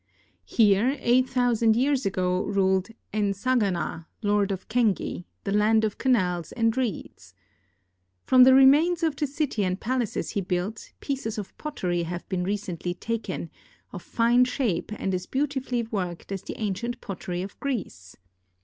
Here, 8,000 years ago, ruled Ensagana, " Lord of Kengi," '' the land of canals and reeds." From tbe remains of the city and palaces he built, pieces of pottery have been recently taken of fine shape and as beautifully worked as the ancient pottery of Greece.